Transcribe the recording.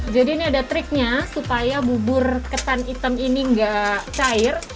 jadi ini ada triknya supaya bubur ketan hitam ini enggak cair